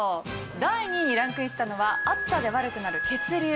第２位にランクインしたのは暑さで悪くなる血流。